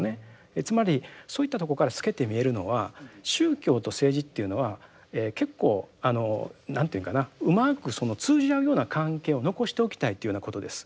つまりそういったとこから透けて見えるのは宗教と政治っていうのは結構あの何て言うかなうまくその通じ合うような関係を残しておきたいっていうようなことです。